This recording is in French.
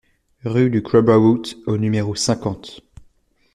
Rue de Crowborough au numéro cinquante